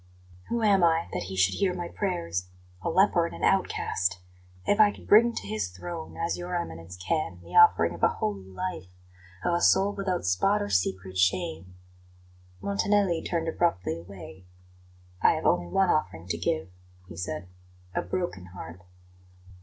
"Who am I, that He should hear my prayers? A leper and an outcast! If I could bring to His throne, as Your Eminence can, the offering of a holy life of a soul without spot or secret shame " Montanelli turned abruptly away. "I have only one offering to give," he said; "a broken heart."